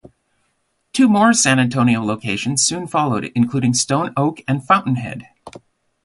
Two more San Antonio locations soon followed, including Stone Oak and Fountainhead.